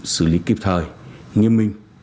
xử lý kịp thời nghiêm minh